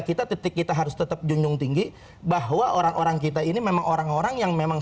kita harus tetap junjung tinggi bahwa orang orang kita ini memang orang orang yang memang